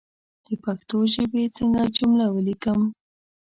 د پښتو ژبى څنګه جمله وليکم